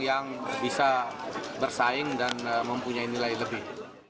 dan juga untuk barang yang bisa bersaing dan mempunyai nilai lebih